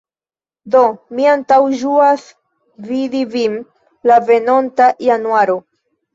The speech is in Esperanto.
Do, mi antaŭĝuas vidi vin la venonta januaro.